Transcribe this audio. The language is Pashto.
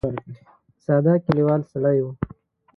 ساده کلیوالي سړی و.